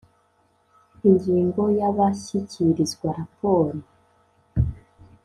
Ingingo y Abashyikirizwa raporo